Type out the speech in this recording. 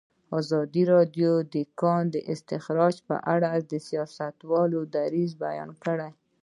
ازادي راډیو د د کانونو استخراج په اړه د سیاستوالو دریځ بیان کړی.